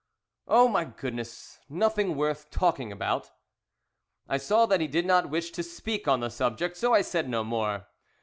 "Oh, my goodness! Nothing worth talking about." I saw that he did not wish to speak on the subject, so I said no more.